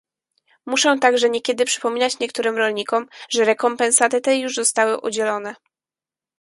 Muszę także niekiedy przypominać niektórym rolnikom, że rekompensaty te już zostały udzielone